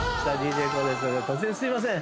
突然すいません。